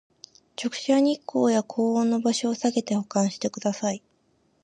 直射日光や高温の場所をさけて保管してください